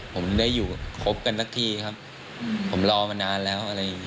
ผมได้อยู่ครบกันสักทีครับผมรอมานานแล้วอะไรอย่างนี้